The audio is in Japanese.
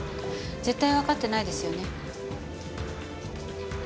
絶対わかってないですよね？